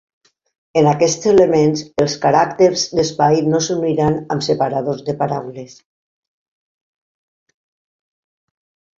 En aquests elements, els caràcters d'espais no s'uniran amb separadors de paraules.